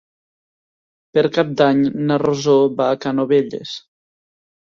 Per Cap d'Any na Rosó va a Canovelles.